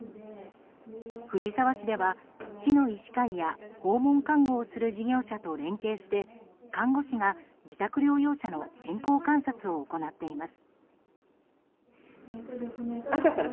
藤沢市では、市の医師会や訪問看護をする事業者と連携して看護師が自宅療養者の健康観察を行っています。